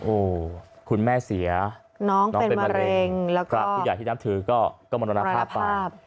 โอ้โหคุณแม่เสียน้องเป็นมะเร็งแล้วก็พระผู้ใหญ่ที่นับถือก็มรณภาพไป